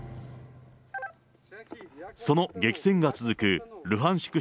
その激戦が続くルハンシク